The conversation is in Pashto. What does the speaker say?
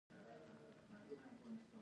په کورتس کې یوازې اتلسو ښارونو استازي وو.